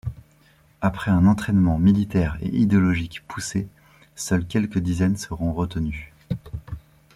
Après un entrainement militaire et idéologique poussé, seuls quelques dizaines seront retenus.